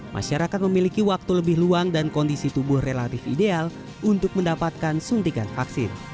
masyarakat memiliki waktu lebih luang dan kondisi tubuh relatif ideal untuk mendapatkan suntikan vaksin